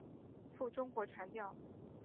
赴中国传教。